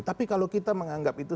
tapi kalau kita menganggap itu